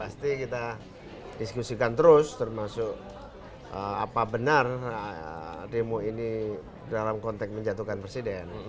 pasti kita diskusikan terus termasuk apa benar demo ini dalam konteks menjatuhkan presiden